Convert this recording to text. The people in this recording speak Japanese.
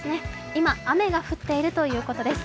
今雨が降っているということです。